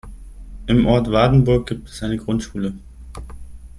Im Ort Wardenburg gibt es eine Grundschule.